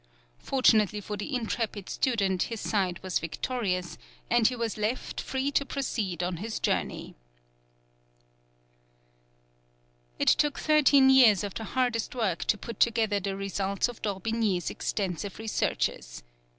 Fortunately for the intrepid student his side was victorious, and he was left free to proceed on his journey." It took thirteen years of the hardest work to put together the results of D'Orbigny's extensive researches.